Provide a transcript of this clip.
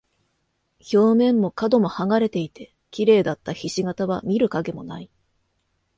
表面も角も剥がれていて、綺麗だった菱形は見る影もない。